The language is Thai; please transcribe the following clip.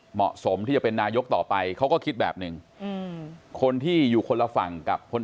เหมาะสมที่จะเป็นนายกต่อไปเขาก็คิดแบบหนึ่ง